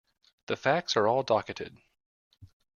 The facts are all docketed.